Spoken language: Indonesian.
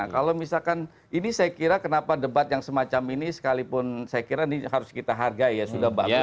kalau misalkan ini saya kira kenapa debat yang semacam ini sekalipun saya kira ini harus kita hargai ya sudah bagus